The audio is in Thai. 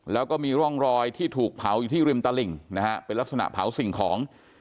แล้วก็มีร่องรอยที่ถูกเผาอยู่ที่ริมตลิ่งนะฮะเป็นลักษณะเผาสิ่งของ